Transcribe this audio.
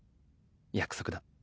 約束だ。